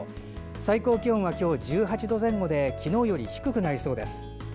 最高気温は今日１８度前後で昨日より低くなりそうです。